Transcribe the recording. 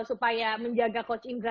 untuk menjaga coach indra